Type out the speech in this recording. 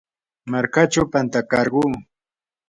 markachaw pantakarquu.